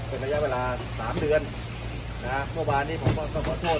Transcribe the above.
เป็นระยะเวลาสามเดือนนะฮะเมื่อวานนี้ผมก็ต้องขอโทษ